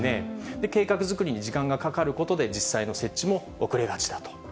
で、計画作りに時間がかかることで、実際の設置も遅れがちだと。